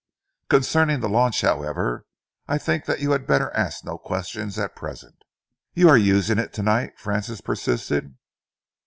Concerning the launch, however, I think that you had better ask no questions at present." "You are using it to night?" Francis persisted.